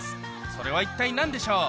それは一体何でしょう？